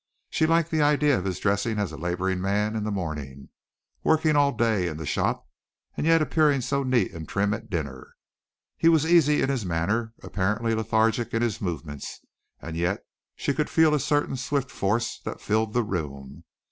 She liked the idea of his dressing as a laboring man in the morning, working all day in the shop, and yet appearing so neat and trim at dinner. He was easy in his manner, apparently lethargic in his movements and yet she could feel a certain swift force that filled the room.